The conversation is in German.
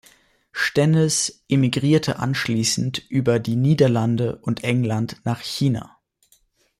Stennes emigrierte anschließend über die Niederlande und England nach China.